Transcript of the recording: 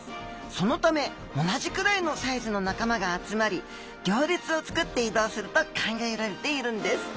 そのため同じくらいのサイズの仲間が集まり行列を作って移動すると考えられているんです。